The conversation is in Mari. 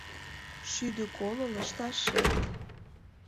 Шӱдӧ коло лышташет